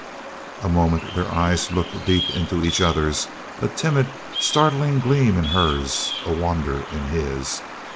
A moment their eyes looked deep into each other's a timid, startled gleam in hers; a wonder in his.